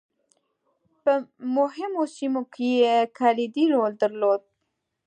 په مهمو سیمو کې یې کلیدي رول درلود.